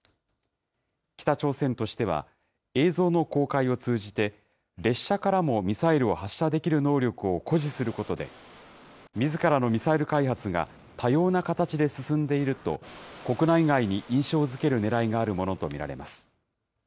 北朝鮮としては、映像の公開を通じて、列車からもミサイルを発射できる能力を誇示することで、みずからのミサイル開発が多様な形で進んでいると、国内外に印象づけるねらいがあるものと見られます。